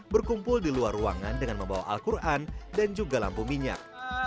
berkumpul di luar ruangan dengan membawa al quran dan juga lampu minyak